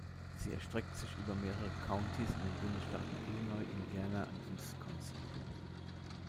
Sie erstreckt sich über mehrere Countys in den Bundesstaaten Illinois, Indiana und Wisconsin.